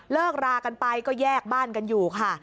รากันไปก็แยกบ้านกันอยู่ค่ะ